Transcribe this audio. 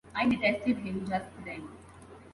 I detested him just then.